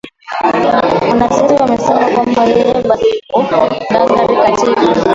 mwanasiasa huyo anasema kwamba yeye bado yuko ngangari katika